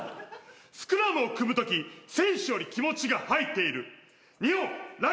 スクラムを組むとき選手より気持ちが入っている日本ラグビー協会Ａ